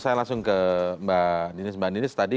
saya langsung ke mbak dinis mbak aninis tadi ya